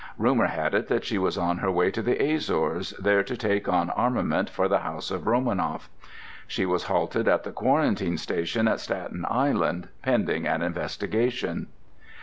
Rumour had it that she was on her way to the Azores, there to take on armament for the house of Romanoff. She was halted at the Quarantine Station at Staten Island, pending an investigation.